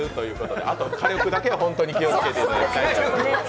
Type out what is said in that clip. あと火力だけは本当に気をつけていただいて。